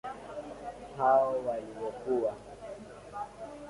Hao waliokua.